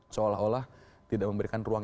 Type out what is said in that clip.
seolah olah tidak memberikan ruang